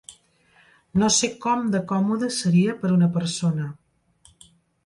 No sé com de còmode seria per a una persona.